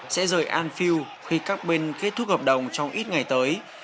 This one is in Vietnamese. sẽ rời anfield khi các bên kết thúc hợp đồng trong ít ngày tới